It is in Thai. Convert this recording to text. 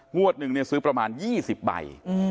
งวดนึงซื้อประมาณ๒๐ใบ